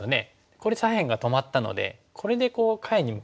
これ左辺が止まったのでこれで下辺に向かうとどうですか？